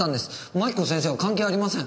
槙子先生は関係ありません。